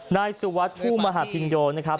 นายสุวัตรผู้มหาพิงโยนนะครับ